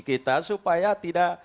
kita supaya tidak